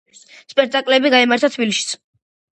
სპექტაკლები გამართა თბილისშიც.